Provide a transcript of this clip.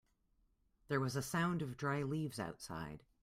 There was a sound of dry leaves outside.